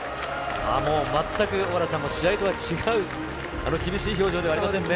もう全く、小原さん、試合とは違う、あの厳しい表情ではありませんね。